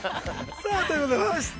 さあ、ということでございました。